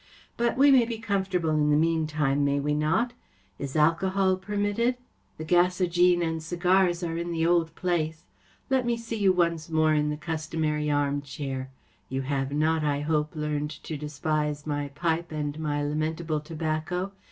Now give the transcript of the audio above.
But we may be comfortable in the meantime, may we not ? Is alcohol permitted ? The gasogene the Mazarin Stone and cigars are in .the old place. Let me see you once more in the customary armchair. You have not, I hope, learned to despise my pipe and my lamentable tobaccc